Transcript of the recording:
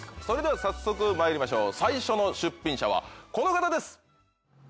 それでは早速参りましょう最初の出品者はこの方です！